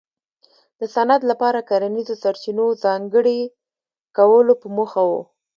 د صنعت لپاره کرنیزو سرچینو ځانګړي کولو په موخه و.